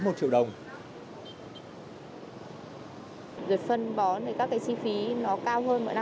việc phân bón thì các cái chi phí nó cao hơn mỗi năm